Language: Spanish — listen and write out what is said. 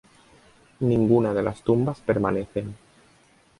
Ninguna de las tumbas permanecen.